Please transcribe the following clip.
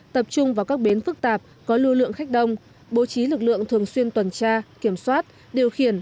tập trung vào các bến phức tạp có lưu lượng khách đông bố trí lực lượng thường xuyên tuần tra kiểm soát điều khiển